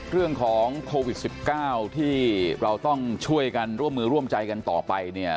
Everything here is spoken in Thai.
เรื่องของโควิด๑๙ที่เราต้องช่วยกันร่วมมือร่วมใจกันต่อไปเนี่ย